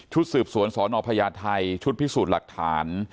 สืบสวนสนพญาไทยชุดพิสูจน์หลักฐาน